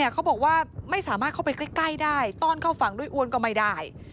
เขาบอกว่าไม่สามารถเข้าไปใกล้ได้ต้อนเข้าฝั่งด้วยอ้วนก็ไม่ได้